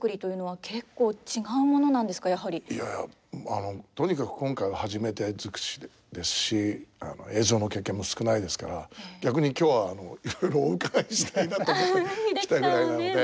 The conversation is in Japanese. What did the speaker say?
いやあのとにかく今回は初めて尽くしですし映像の経験も少ないですから逆に今日はいろいろお伺いしたいなと思って来たぐらいなので。